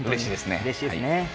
うれしいですね。